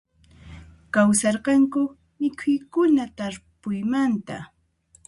Kawsarqanku mikhuykuna tarpuymanta